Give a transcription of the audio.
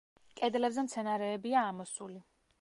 კედლებზე მცენარეებია ამოსული.